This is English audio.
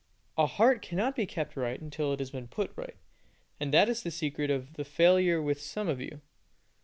A heart cannot be kept right until it has been put right, and that is the secret of the failure with some of you.